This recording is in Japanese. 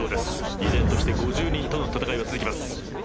依然として５０人との戦いは続きます。